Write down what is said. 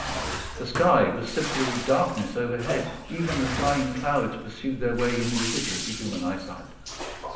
The sky was simply darkness overhead; even the flying clouds pursued their way invisibly to human eyesight.